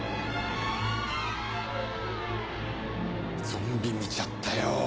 ゾンビ見ちゃったよ。